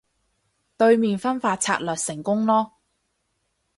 對面分化策略成功囉